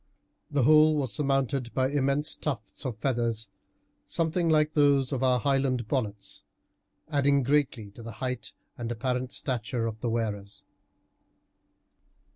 The whole was surmounted by immense tufts of feathers, something like those of our Highland bonnets, adding greatly to the height and apparent stature of the wearers.